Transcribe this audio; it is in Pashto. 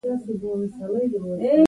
کله چې افغان ملت خپلې ارادې ته مخه کړه.